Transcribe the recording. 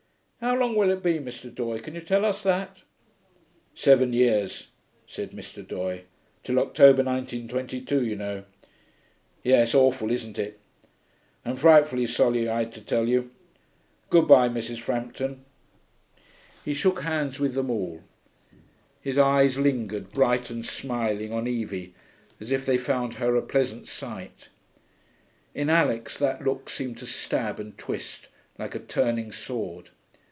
How long will it be, Mr. Doye, can you tell us that?' 'Seven years,' said Mr. Doye. 'Till October 1922, you know. Yes, awful, isn't it? I'm frightfully sorry I had to tell you. Good bye, Mrs. Frampton.' He shook hands with them all; his eyes lingered, bright and smiling, on Evie, as if they found her a pleasant sight. In Alix that look seemed to stab and twist, like a turning sword.